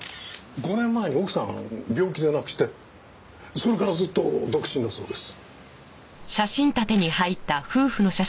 ５年前に奥さんを病気で亡くしてそれからずっと独身だそうです。